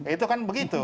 itu kan begitu